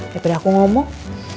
daripada aku ngomong